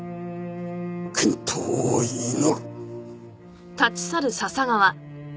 健闘を祈る！